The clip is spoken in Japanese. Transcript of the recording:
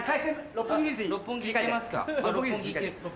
六本木行けます。